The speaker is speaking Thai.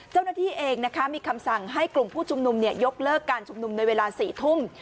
เจ้าหน้าที่เองนะคะมีคำสั่งให้กลุ่มผู้ชุมนุมยกเลิกการชุมนุมในเวลา๔ทุ่ม